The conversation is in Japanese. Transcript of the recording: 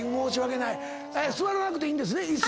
座らなくていいんですね？